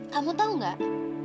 kamu tau gak